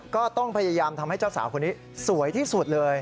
ก็ต้องพยายามทำให้เจ้าสาวคนนี้สวยที่สุดเลย